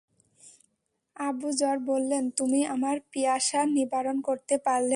আবু যর বললেন, তুমি আমার পিয়াসা নিবারণ করতে পারলে না।